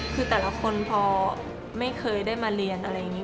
คือแต่ละคนพอไม่เคยได้มาเรียนอะไรอย่างนี้